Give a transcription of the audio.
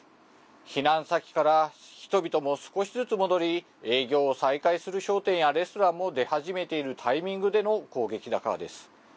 避難先から人々も少しずつ戻り、営業を再開する商店やレストランも出始めているタイミングでの攻撃だからです。